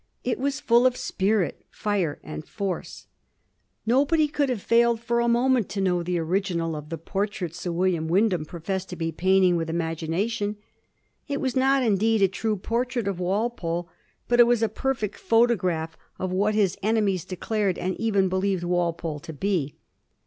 It was full of spirit, fire, and force. Nobody could have failed for a moment to know the original of the portrait Sir William Wyndham professed to be painting from imagination. It was not indeed a true portrait of Walpole, but it was a perfect photograph of what his enemies declared and even believed Walpole to be.